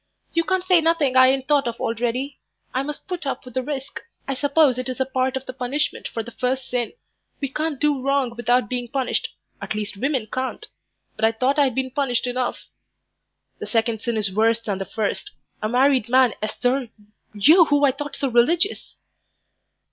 "You can't say nothing I ain't thought of already. I must put up with the risk. I suppose it is a part of the punishment for the first sin. We can't do wrong without being punished at least women can't. But I thought I'd been punished enough." "The second sin is worse than the first. A married man, Esther you who I thought so religious."